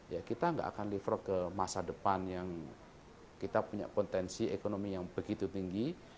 ya kita nggak akan liver ke masa depan yang kita punya potensi ekonomi yang begitu tinggi